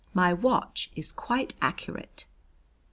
"My watch is quite accurate."